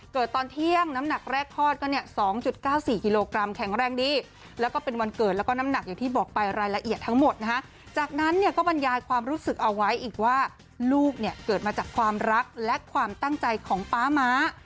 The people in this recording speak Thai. ตอนเที่ยงน้ำหนักแรกคลอดก็เนี่ย๒๙๔กิโลกรัมแข็งแรงดีแล้วก็เป็นวันเกิดแล้วก็น้ำหนักอย่างที่บอกไปรายละเอียดทั้งหมดนะฮะจากนั้นเนี่ยก็บรรยายความรู้สึกเอาไว้อีกว่าลูกเนี่ยเกิดมาจากความรักและความตั้งใจของป๊าม้า